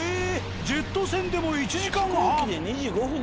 ジェット船でも１時間半。